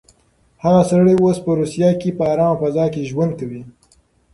هغه سړی اوس په روسيه کې په ارامه فضا کې ژوند کوي.